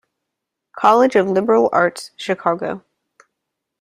College of Liberal Arts, Chicago.